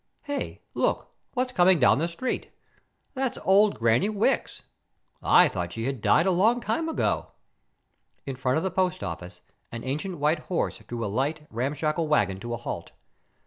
Hey, look what's coming down the street! That's old Granny Wicks. I thought she had died a long time ago." In front of the post office, an ancient white horse drew a light, ramshackle wagon to a halt.